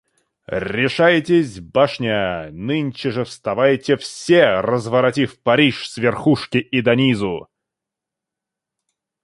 Решайтесь, башня, — нынче же вставайте все, разворотив Париж с верхушки и до низу!